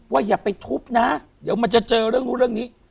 อย่าไปทุบนะเดี๋ยวมันจะเจอเรื่องนู้นเรื่องนี้